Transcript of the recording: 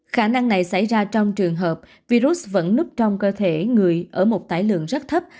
khả năng này xảy ra trong trường hợp virus vẫn núp trong cơ thể người ở một tải lượng rất thấp